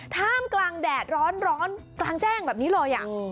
ท่ามกลางแดดร้อนกลางแจ้งแบบนี้เลย